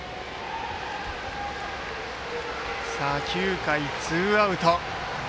９回、ツーアウト。